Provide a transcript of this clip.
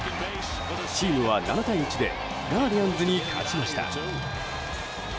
チームは７対１でガーディアンズに勝ちました。